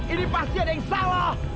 ini pasti ada yang salah